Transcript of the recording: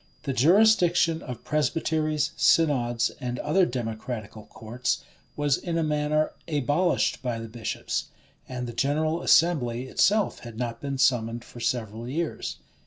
The jurisdiction of presbyteries, synods, and other democratical courts, was in a manner abolished by the bishops; and the general assembly itself had not been summoned for several years.